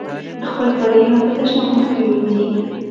خپل کالي هم په تشنابونو کې وینځي.